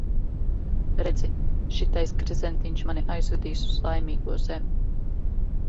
Redzi, šitais gredzentiņš mani aizvedīs uz Laimīgo zemi.